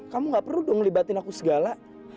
kamu gak perlu dong libatin aku segala